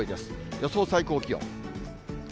予想最高気温。